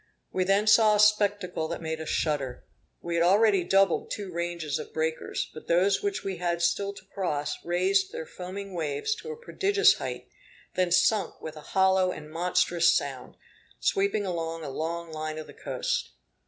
We then saw a spectacle that made us shudder. We had already doubled two ranges of breakers; but those which we had still to cross raised their foaming waves to a prodigious height, then sunk with a hollow and monstrous sound, sweeping along a long line of the coast.